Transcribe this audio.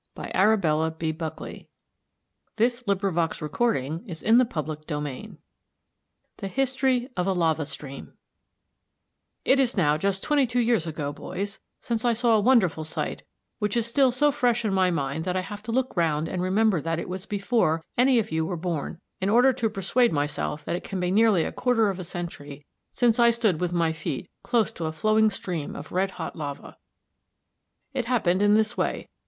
CHAPTER V THE HISTORY OF A LAVA STREAM It is now just twenty two years ago, boys, since I saw a wonderful sight, which is still so fresh in my mind that I have to look round and remember that it was before any of you were born, in order to persuade myself that it can be nearly a quarter of a century since I stood with my feet close to a flowing stream of red hot lava. It happened in this way.